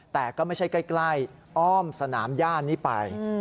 แต่ก็ไม่ใช่ใกล้อ้อมสนามย่านนี้ไป